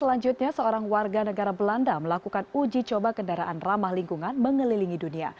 selanjutnya seorang warga negara belanda melakukan uji coba kendaraan ramah lingkungan mengelilingi dunia